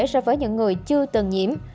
so với những người chưa từng nhiễm